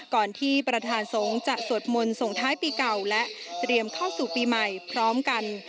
ก่อนที่ประธานสงฆ์จะสวดมนต์ส่งท้ายปีเก่าและเตรียมเข้าสู่ปีใหม่พร้อมกัน